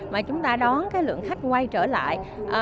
mà chúng ta đón lượng khách quay trở lại